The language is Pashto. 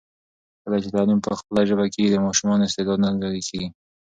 کله چي تعلیم په خپله ژبه کېږي، د ماشومانو استعداد نه ضایع کېږي.